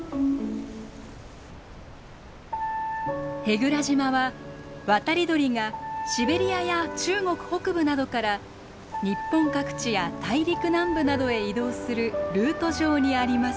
舳倉島は渡り鳥がシベリアや中国北部などから日本各地や大陸南部などへ移動するルート上にあります。